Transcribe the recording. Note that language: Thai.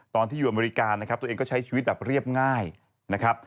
ตอนที่อยู่อเมริกานะครับตัวเองก็ใช้ชีวิตแบบเรียบง่ายนะครับ